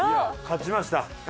勝ちました。